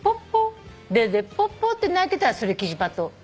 ドゥドゥポッポーって鳴いてたらそれキジバト。